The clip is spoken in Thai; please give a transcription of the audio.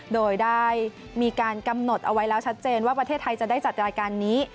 โดยได้มีการกำหนดเอาไว้แล้วชัดเจนว่าประเทศไทยจะได้จัดรายการนี้